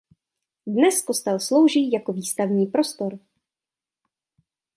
Dnes kostel slouží jako výstavní prostor.